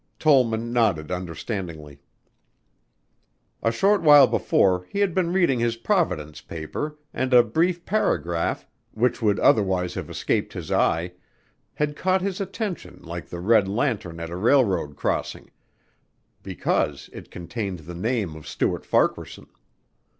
Tollman nodded understandingly. A short while before he had been reading his Providence newspaper and a brief paragraph, which would otherwise have escaped his eye, had caught his attention like the red lantern at a railroad crossing because it contained the name of Stuart Farquaharson.